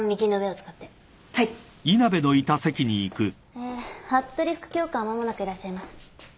え服部副教官は間もなくいらっしゃいます。